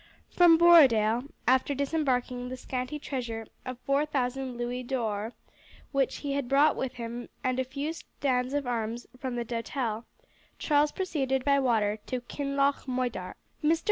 From Borodale, after disembarking the scanty treasure of four thousand louis d'or which he had brought with him and a few stands of arms from the Doutelle, Charles proceeded by water to Kinloch Moidart. Mr.